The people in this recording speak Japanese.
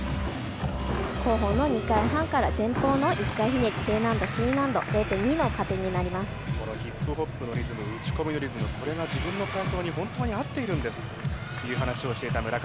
後方の２回半から前方の１回ひねり、Ｄ難度、Ｃ難度、このヒップホップのリズム、打ち込みのリズム、これが自分の体操に本当に合っているんですという話をしていた村上。